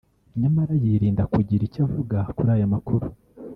nyamara yirinda kugira icyo avuga kuri aya makuru